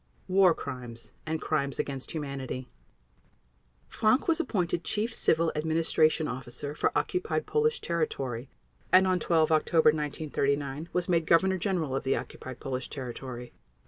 War Crimes and Crimes against Humanity Frank was appointed Chief Civil Administration Officer for occupied Polish territory and, on 12 October 1939, was made Governor General of the occupied Polish territory.